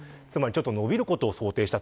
延びることを想定した。